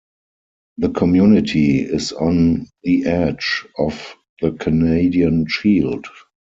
The community is on the edge of the Canadian Shield.